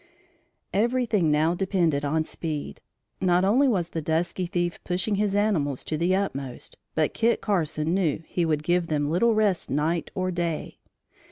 Everything now depended on speed. Not only was the dusky thief pushing his animals to the utmost, but Kit Carson knew he would give them little rest night or day.